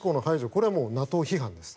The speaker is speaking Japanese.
これはＮＡＴＯ批判です。